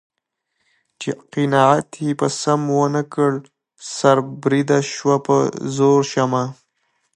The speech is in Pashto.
چې قناعت یې په سیم و نه کړ سر بریده شوه په زرو شمع